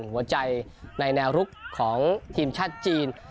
หัวใจในแนวรุกของทีมชาติจีน